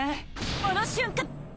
この瞬間！